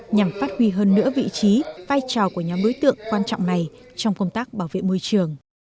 nhằm phát huy hơn nữa vị trí vai trò của nhóm đối tượng quan trọng này trong công tác bảo vệ môi trường